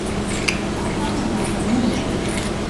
ama manakamaychu.